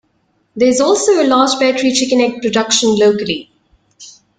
There is also a large battery chicken egg production locally.